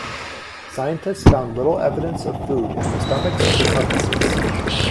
Scientists found little evidence of food in the stomachs of the carcasses.